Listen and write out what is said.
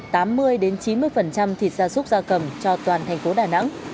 thịt gia súc gia cầm cho toàn thành phố đà nẵng